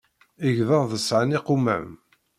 Igḍaḍ sɛan iqumam.